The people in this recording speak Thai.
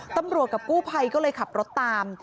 ตำรวจกับกู้ภัยก็เลยขับรถตาม